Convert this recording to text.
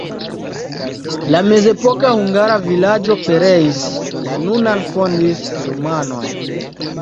La mezepoka hungara vilaĝo pereis, la nunan fondis rumanoj.